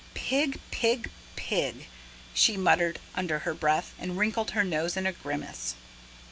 "Pig pig pig!" she muttered under her breath, and wrinkled her nose in a grimace.